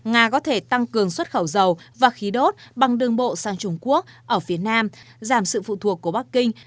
nga có thể tăng cường xuất khẩu dầu và khí đốt bằng đường bộ sang trung quốc ở phía nam giảm sự phụ thuộc của bắc kinh